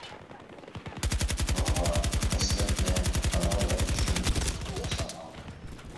بۇرغا دەسلەپتە كالا ۋە ئۆچكە مۈڭگۈزىدىن ياسالغان.